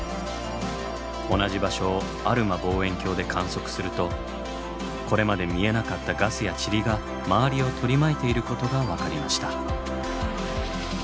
同じ場所をアルマ望遠鏡で観測するとこれまで見えなかったガスやちりが周りを取り巻いていることが分かりました。